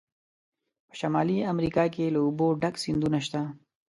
په شمالي امریکا کې له اوبو ډک سیندونه شته.